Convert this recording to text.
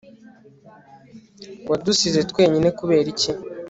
wadusize twenyine kubera iki